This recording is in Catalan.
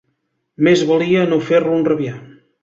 Més valia no fer-lo enrabiar.